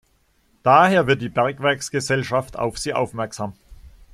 Daher wird die Bergwerksgesellschaft auf sie aufmerksam.